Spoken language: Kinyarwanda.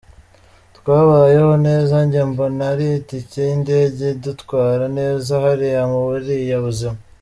Twabayeho neza njye mbona ari itike y’indege idutwara neza hariya muri buriya buzima.